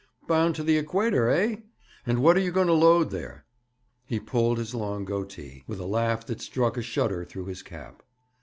Bound to the Equator, eh? And what are you going to load there?' He pulled his long goatee, with a laugh that struck a shudder through his cap.